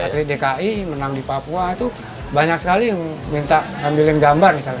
atlet dki menang di papua itu banyak sekali yang minta ngambilin gambar misalnya